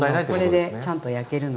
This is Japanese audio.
これでちゃんと焼けるので。